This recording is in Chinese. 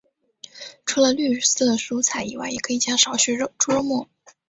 除了绿色蔬菜以外也可以加少许猪肉末。